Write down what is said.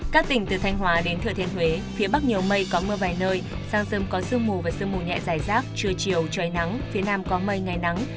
các tỉnh từ thanh hóa đến thừa thiên huế phía bắc nhiều mây có mưa vài nơi sáng sớm có sương mù và sương mù nhẹ dài rác trưa chiều trời nắng phía nam có mây ngày nắng